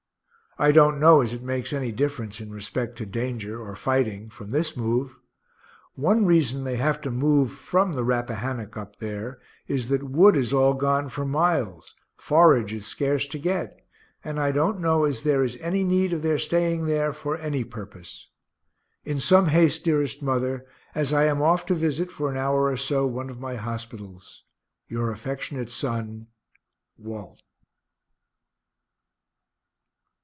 I don't know as it makes any difference in respect to danger, or fighting, from this move. One reason they have to move from the Rappahannock, up there, is that wood is all gone for miles, forage is scarce to get, and I don't know as there is any need of their staying there, for any purpose. In some haste, dearest mother, as I am off to visit for an hour or so, one of my hospitals. Your affectionate son, WALT.